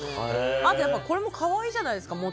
あとやっぱこれも可愛いじゃないですか。